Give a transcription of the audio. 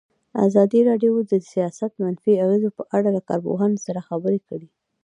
ازادي راډیو د سیاست د منفي اغېزو په اړه له کارپوهانو سره خبرې کړي.